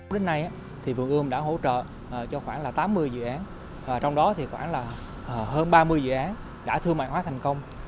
đến nay thì vườn ươm đã hỗ trợ cho khoảng tám mươi dự án trong đó thì khoảng hơn ba mươi dự án đã thương mại hóa thành công